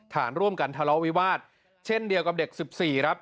ฐานร่วมกันทะเลาะวิวาสเช่นเดียวกับเด็ก๑๔ครับ